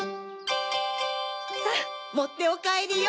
さぁもっておかえりよ！